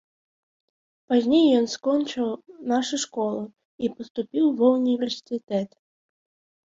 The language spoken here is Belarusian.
Пазней ён скончыў нашу школу і паступіў ва ўніверсітэт.